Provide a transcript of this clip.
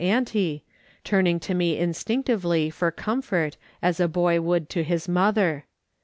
auntie, turning to me instinctively for comfort as a boy would to his mother.